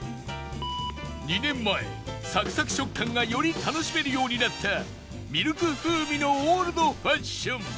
２年前サクサク食感がより楽しめるようになったミルク風味のオールドファッション